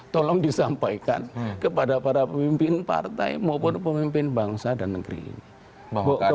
tolong disampaikan kepada para pemimpin partai maupun pemimpin bangsa dan negara ini